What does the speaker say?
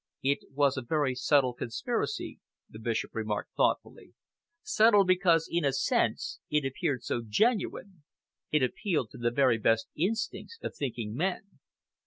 "It was a very subtle conspiracy," the Bishop remarked thoughtfully, "subtle because, in a sense, it appeared so genuine. It appealed to the very best instincts of thinking men."